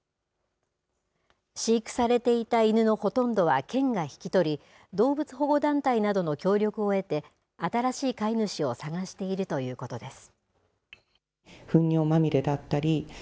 飼育されていた犬のほとんどは県が引き取り、動物保護団体などの協力を得て、新しい飼い主を探しているということです。